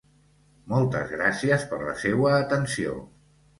Moltes gràcies per la seua atenció.